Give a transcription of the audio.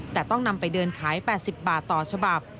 แต่ต้องนำไปเดินขาย๘๐บาทต่อฉบับ